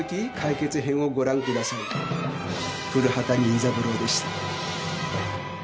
古畑任三郎でした。